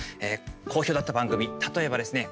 好評だった番組、例えばですね